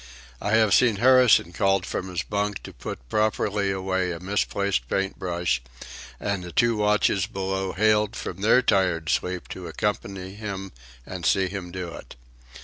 I have seen Harrison called from his bunk to put properly away a misplaced paintbrush, and the two watches below haled from their tired sleep to accompany him and see him do it.